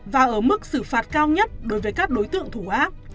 và ở mức xử phạt cao nhất đối với các đối tượng thủ ác